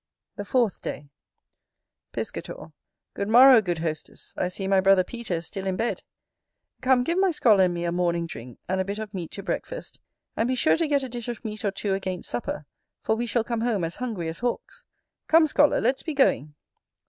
The fourth day Piscator. Good morrow, good hostess, I see my brother Peter is still in bed. Come, give my scholar and me a morning drink, and a bit of meat to breakfast: and be sure to get a dish of meat or two against supper, for we shall come home as hungry as hawks. Come, scholar, let's be going.